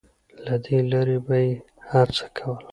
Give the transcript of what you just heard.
له دې لارې به یې هڅه کوله